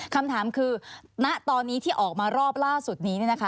คำถามคือณตอนนี้ที่ออกมารอบล่าสุดนี้